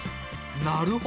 なるほど。